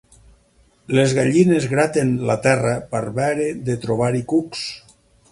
Les gallines graten la terra per veure de trobar-hi cucs.